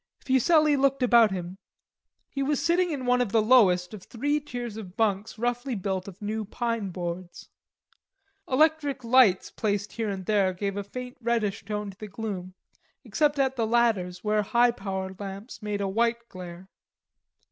Fuselli looked about him. He was sitting in one of the lowest of three tiers of bunks roughly built of new pine boards. Electric lights placed here and there gave a faint reddish tone to the gloom, except at the ladders, where high power lamps made a white glare.